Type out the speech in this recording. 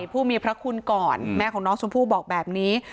ผู้มีพระคุณก่อนแม่ของน้องชมพู่บอกแบบนี้